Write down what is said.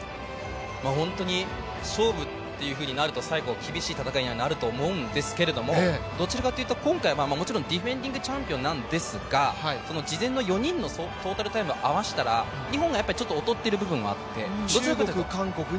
ホントに勝負ってなると、最後、厳しい戦いになるとは思うんですけどどちらかというと今回、ディフェンディングチャンピオンなんですが事前の４人のトータルタイム合わせたら劣ってる部分があって、